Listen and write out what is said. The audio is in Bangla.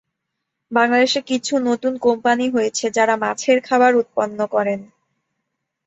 বাংলাদেশে কিছু নতুন কোম্পানী হয়েছে যারা মাছের খাবার উৎপন্ন করেন।